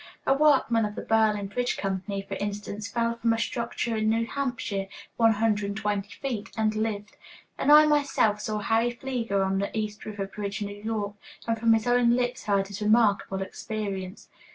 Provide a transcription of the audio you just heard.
A workman of the Berlin Bridge Company, for instance, fell from a structure in New Hampshire, one hundred and twenty feet, and lived. And I myself saw Harry Fleager on the East River Bridge, New York, and from his own lips heard his remarkable experience.